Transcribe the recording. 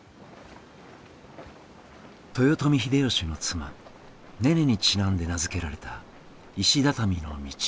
豊臣秀吉の妻ねねにちなんで名付けられた石畳の道。